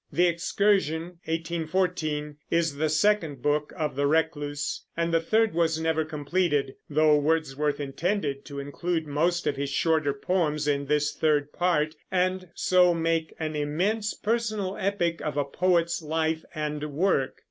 The Excursion (1814) is the second book of The Recluse; and the third was never completed, though Wordsworth intended to include most of his shorter poems in this third part, and so make an immense personal epic of a poet's life and work.